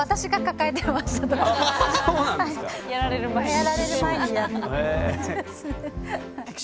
やられる前にやっていた。